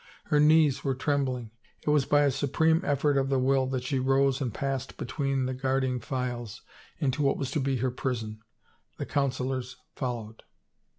Her knees were trembling; it was by a supreme effort of the will that she rose and passed between the guard ing files into what was to be her prison. The councilors followed.